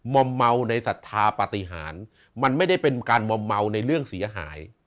มอมเมาในศรัทธาปฏิหารมันไม่ได้เป็นการมอมเมาในเรื่องเสียหาย